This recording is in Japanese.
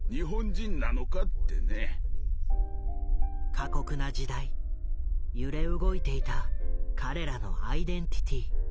過酷な時代揺れ動いていた彼らのアイデンティティー。